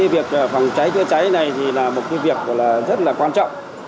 việc phòng cháy chữa cháy này là một việc rất là quan trọng